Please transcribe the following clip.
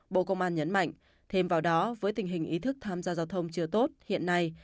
bộ công an nhấn mạnh thêm vào đó với tình hình ý thức tham gia giao thông chưa tốt hiện nay